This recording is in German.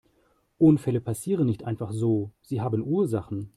Unfälle passieren nicht einfach so, sie haben Ursachen.